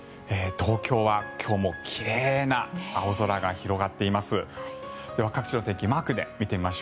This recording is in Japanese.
東京は今日も奇麗な青空が広がっています。